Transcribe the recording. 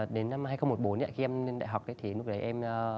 đến năm hai nghìn một mươi bốn khi em lên đại học thì lúc đấy em